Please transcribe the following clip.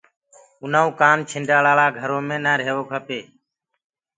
اُنآ ڪوُ ڪآنڇنڊآݪآ ݪآ گھرو مي نآ رهيڻ کپي۔